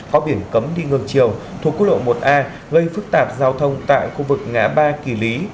có biển cấm đi ngược chiều thuộc quốc lộ một a gây phức tạp giao thông tại khu vực ngã ba kỳ lý